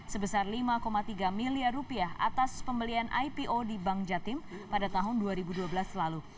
sebesar lima tiga miliar rupiah atas pembelian ipo di bank jatim pada tahun dua ribu dua belas lalu